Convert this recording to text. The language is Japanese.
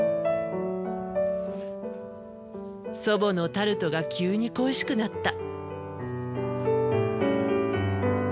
祖母のタルトが急に恋しくなった。